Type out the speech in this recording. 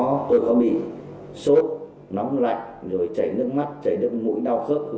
mà tôi có bị sốt nóng lạnh chảy nước mắt chảy nước mũi đau khớp